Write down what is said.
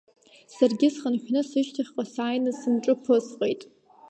Саргьы схынҳәны, сышьҭахьҟа сааины сымҿы ԥысҟеит.